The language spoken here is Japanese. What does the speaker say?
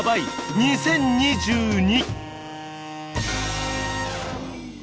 ２０２２」